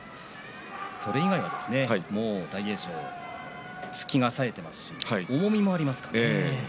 それ以外は大栄翔突きがさえていますし重みもありますからね。